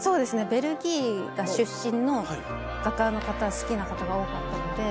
ベルギーが出身の画家の方好きな方が多かったので。